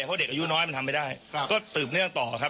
เพราะเด็กอายุน้อยมันทำไม่ได้ก็สืบเนื่องต่อครับ